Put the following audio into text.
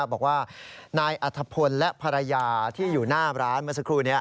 บอกว่านายอัธพลและภรรยาที่อยู่หน้าร้านเมื่อสักครู่นี้